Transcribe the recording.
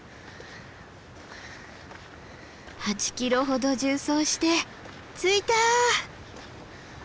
８ｋｍほど縦走して着いた！